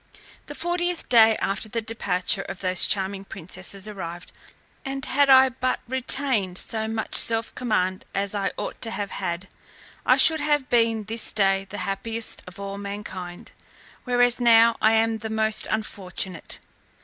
The fortieth day after the departure of those charming princesses arrived, and had I but retained so much self command as I ought to have had, I should have been this day the happiest of all mankind, whereas now I am the most unfortunate.